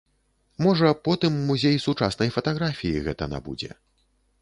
Можа, потым музей сучаснай фатаграфіі гэта набудзе.